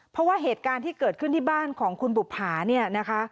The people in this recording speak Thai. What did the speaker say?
เพราะว่าเหตุการณ์ที่เกิดขึ้นที่บ้านของคุณบุภาเนี่ยนะคะ